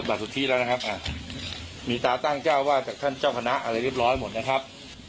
สุทธิแล้วนะครับมีตาตั้งเจ้าวาดจากท่านเจ้าคณะอะไรเรียบร้อยหมดนะครับ